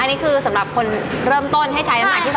อันนี้คือสำหรับคนเริ่มต้นให้ใช้น้ำหนักที่๒